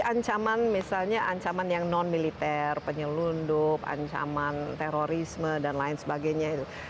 ancaman misalnya ancaman yang non militer penyelundup ancaman terorisme dan lain sebagainya